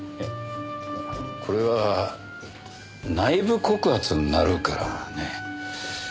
これは内部告発になるからね。